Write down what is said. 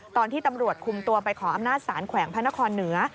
ตอนที่ตำรวจคุมตัวไปขออำนาจศาลแขวงพระนครเหนือ